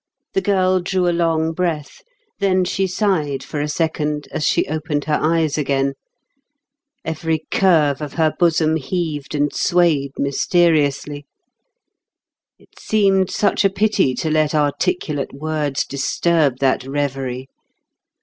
The girl drew a long breath; then she sighed for a second, as she opened her eyes again. Every curve of her bosom heaved and swayed mysteriously. It seemed such a pity to let articulate words disturb that reverie.